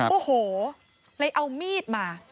โอ้โหเลยเอามีดมา